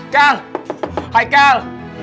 kal hai kal